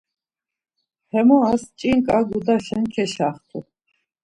Hemoras ç̌inǩa gudaşen keşaxtu.